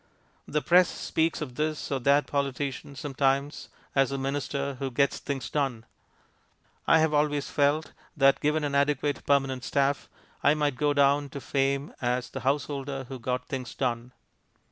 The press speaks of this or that politician sometimes as the "Minister who gets things done." I have always felt that, given an adequate permanent staff, I might go down to fame as the householder who got things done.